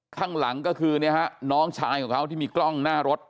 ข้างหลังก็คือน้องชายของเขาที่มีกล้องหน้ารถ